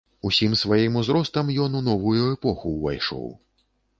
Усім сваім узростам ён у новую эпоху ўвайшоў.